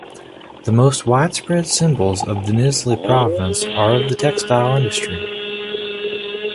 The most widespread symbols of Denizli province are of textile industry.